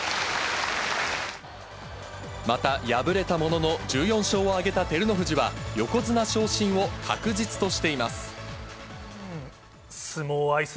また、敗れたものの１４勝を挙げた照ノ富士は横綱昇進を確実としています。